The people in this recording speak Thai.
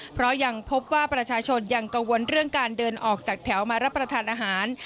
เพราะยังพบว่าประชาชนยังกังวลเรื่องการเดินออกจากแถวมารับประทานอาหาร